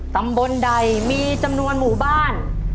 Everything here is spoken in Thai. ตำบลใดมีจำนวนหมู่บ้าน